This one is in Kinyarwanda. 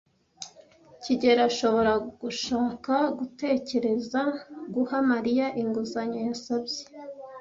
kigeli ashobora gushaka gutekereza guha Mariya inguzanyo yasabye.